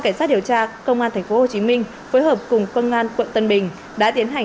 cảnh sát điều tra công an thành phố hồ chí minh phối hợp cùng công an quận tân bình đã tiến hành